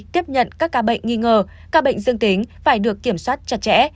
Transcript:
tiếp nhận các ca bệnh nghi ngờ các bệnh dương tính phải được kiểm soát chặt chẽ